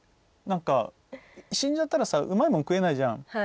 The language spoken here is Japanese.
死んじゃったらさうまいもの食えないじゃん。